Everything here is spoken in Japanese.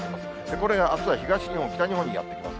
これがあすは東日本、北日本やってきます。